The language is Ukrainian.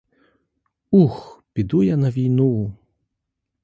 Ух, піду я на війну!